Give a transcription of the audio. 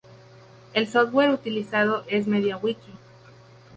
El software utilizado es MediaWiki.